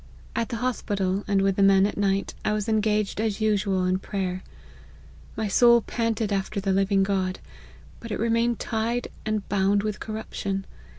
At the hospital, and with the men at night, I was engaged, as usual, in prayer : my soul panted after the living God, but it remained tied and bound with corruption.